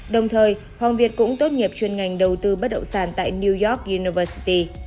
đồng thời hoàng việt cũng tốt nghiệp chuyên ngành đầu tư bất đậu sản tại new york university